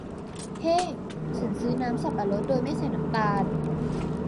เฮ้ฉันซื้อน้ำสับปะรดโดยไม่ใส่น้ำตาล